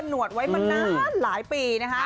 หนวดไว้มานานหลายปี